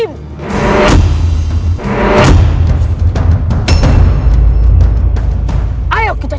atau aku hadir kau